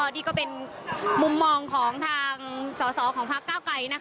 นี่ก็เป็นมุมมองของทางสอสอของพักเก้าไกล